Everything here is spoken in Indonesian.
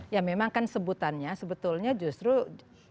ya memang kan sebutannya sebetulnya justru ya itu